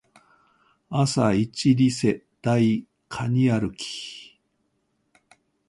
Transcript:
朝イチリセ台カニ歩き